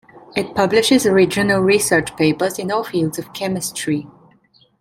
It publishes original research papers in all fields of chemistry.